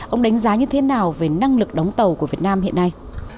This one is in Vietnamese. ông đánh giá như thế nào về năng lực đóng tàu của việt nam hiện nay